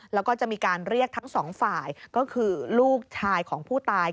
แล้วก็จะมีการเรียกทั้งสองฝ่ายก็คือลูกชายของผู้ตาย